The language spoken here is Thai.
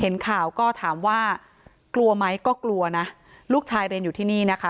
เห็นข่าวก็ถามว่ากลัวไหมก็กลัวนะลูกชายเรียนอยู่ที่นี่นะคะ